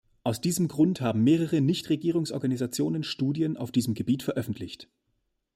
Aus diesem Grund haben mehrere Nichtregierungsorganisationen Studien auf diesem Gebiet veröffentlicht.